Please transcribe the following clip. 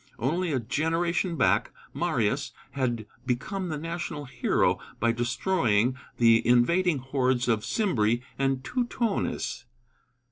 Only a generation back, Marius had become the national hero by destroying the invading hordes of Cimbri and Teutones.